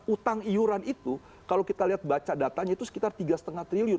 utang iuran itu kalau kita lihat baca datanya itu sekitar tiga lima triliun